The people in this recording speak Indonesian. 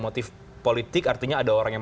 motif politik artinya ada orang yang